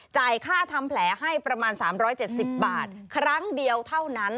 จ่ายค่าทำแผลให้ประมาณ๓๗๐บาทครั้งเดียวเท่านั้น